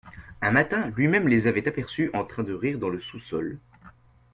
Un matin, lui-même les avait aperçus en train de rire dans le sous-sol.